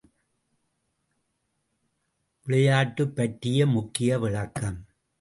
விளையாட்டு பற்றிய முக்கிய விளக்கம் ….